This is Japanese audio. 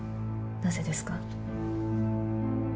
なぜですか？